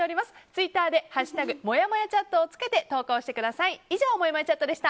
ツイッターで「＃もやもやチャット」をつけて投稿してください。